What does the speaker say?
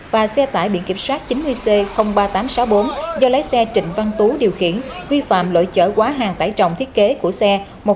và xe tải biển kiểm soát chín mươi c ba nghìn tám trăm sáu mươi bốn do lái xe trịnh văn tú điều khiển vi phạm lỗi chở quá hàng tải trọng thiết kế của xe một trăm bốn mươi một bốn mươi một